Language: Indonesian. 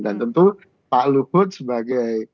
dan tentu pak luhut sebagai